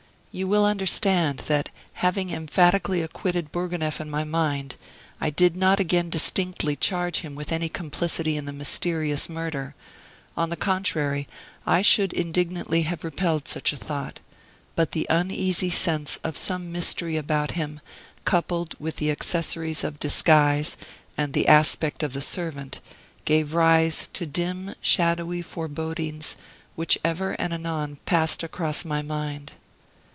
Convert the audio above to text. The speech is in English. You will understand that having emphatically acquitted Bourgonef in my mind, I did not again distinctly charge him with any complicity in the mysterious murder; on the contrary, I should indignantly have repelled such a thought; but the uneasy sense of some mystery about him, coupled with the accessories of disguise, and the aspect of the servant, gave rise to dim, shadowy forebodings which ever and anon passed across my mind.